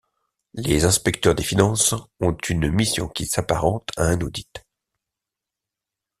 Les inspecteurs des finances ont une mission qui s'apparente à un audit.